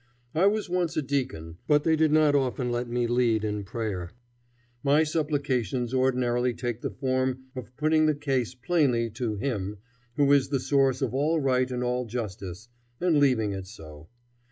I was once a deacon, but they did not often let me lead in prayer. My supplications ordinarily take the form of putting the case plainly to Him who is the source of all right and all justice, and leaving it so.